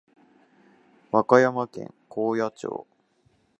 和歌山県高野町